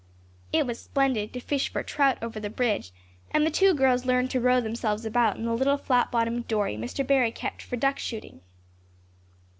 It was splendid to fish for trout over the bridge and the two girls learned to row themselves about in the little flat bottomed dory Mr. Barry kept for duck shooting.